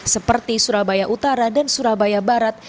seperti surabaya utara dan surabaya barat